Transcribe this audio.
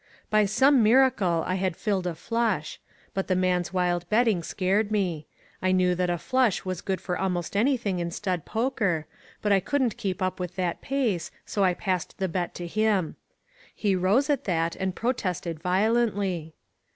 By some miracle I had filled a flush. But the man's wild betting scared me. I knew that a flush was good for almost anything in stud poker, but I couldn't keep up with that pace, so I passed the bet to him. He rose at that and protested violently.